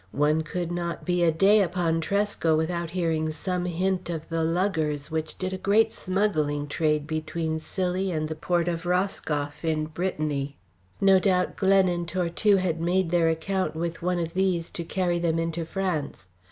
One could not be a day upon Tresco without hearing some hint of the luggers which did a great smuggling trade between Scilly and the port of Roscoff in Brittany. No doubt Glen and Tortue had made their account with one of these to carry them into France.